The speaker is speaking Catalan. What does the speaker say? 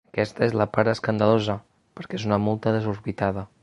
Aquesta és la part escandalosa, perquè és una multa desorbitada.